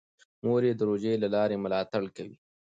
مور یې د روژې له لارې ملاتړ کوي.